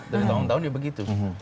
dari tahun tahun ya begitu